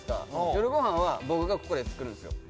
夜ご飯は僕がここで作るんですよ。